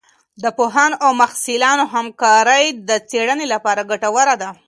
د پوهانو او محصلانو همکارۍ د څېړنې لپاره ګټوره ده.